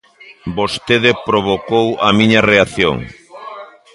Vostede provocou a miña reacción.